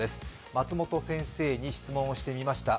松本先生に質問をしてみました。